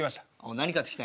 何買ってきたんや？